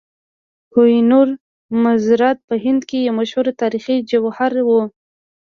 کوه نور زمرد په هند کې یو مشهور تاریخي جواهر و.